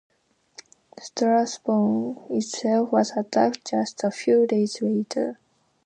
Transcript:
Strasbourg itself was attacked just a few days later.